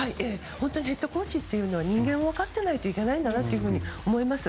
ヘッドコーチは人間を分かっていないといけないんだなと思います。